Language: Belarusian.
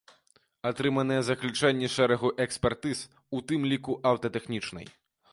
Атрыманыя заключэнні шэрагу экспертыз, у тым ліку аўтатэхнічнай.